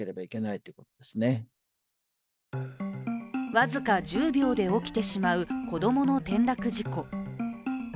僅か１０秒で起きてしまう子供の転落事故。